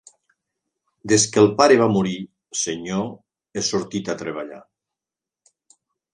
Des que el pare va morir, senyor, he sortit a treballar.